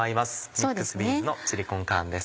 ミックスビーンズのチリコンカーンです。